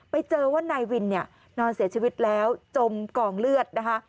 ไปเจอว่านายวินเนี่ยนอนเสียชีวิตแล้วจมกองเลือดนะคะ